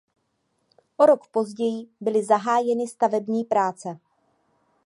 O rok později byly zahájeny stavební práce.